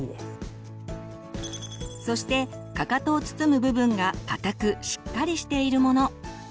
そしてかかとを包む部分が硬くしっかりしているもの。